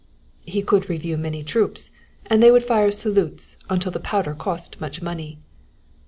"He could review many troops and they would fire salutes until the powder cost much money."